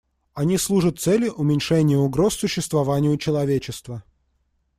Они служат цели уменьшения угроз существованию человечества.